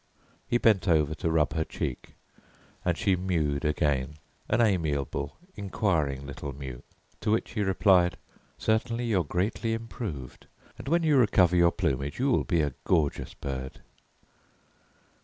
He bent over to rub her cheek and she mewed again, an amiable inquiring little mew, to which he replied, "Certainly, you are greatly improved, and when you recover your plumage you will be a gorgeous bird."